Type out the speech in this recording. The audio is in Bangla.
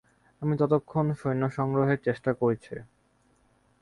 আমি ততক্ষণ সৈন্যসংগ্রহের চেষ্টা করিগে।